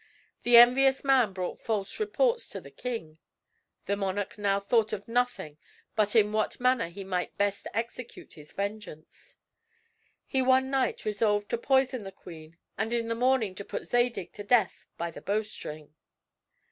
The envious man brought false reports to the king. The monarch now thought of nothing but in what manner he might best execute his vengeance. He one night resolved to poison the queen and in the morning to put Zadig to death by the bowstring.